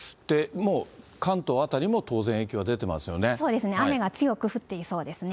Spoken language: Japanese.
もう関東辺りも当然、そうですね、雨が強く降っていそうですね。